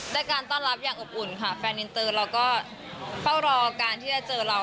ได้การต้อนรับอย่างอบอุ่นค่ะแฟนอินเตอร์เราก็เฝ้ารอการที่จะเจอเรา